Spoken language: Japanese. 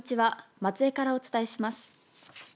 松江からお伝えします。